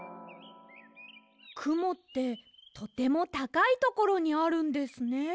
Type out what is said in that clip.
くもってとてもたかいところにあるんですねえ。